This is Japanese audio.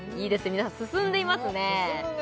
皆さん進んでいますね進むね！